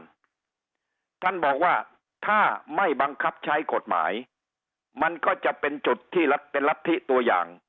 ท่านบอกว่าถ้าไม่บังคับใช้กฎหมายมันก็จะเป็นจุดที่เป็นรัฐธิตัวอย่าง